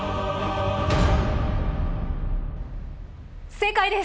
正解です！